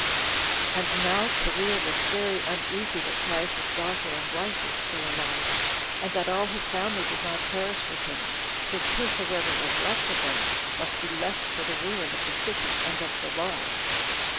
4. And now Cherea was very uneasy that Caius's daughter and wife were still alive, and that all his family did not perish with him, since whosoever was left of them must be left for the ruin of the city and of the laws.